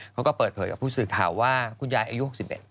เขาก็เปิดเผยกับผู้สื่อข่าวว่าคุณยายอายุ๖๑